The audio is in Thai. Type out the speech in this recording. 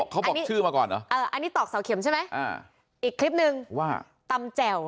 เขาบอกชื่อมาก่อนเหรอเอออันนี้ตอกเสาเข็มใช่ไหมอ่าอีกคลิปนึงว่าตำแจ่ว